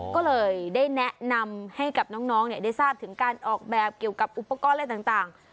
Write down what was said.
ก็เลยได้แนะนำให้ให้กับน้องน้องเนี่ยทราบถึงการออกแบบเกี่ยวกับอุปกรณ์และต่าง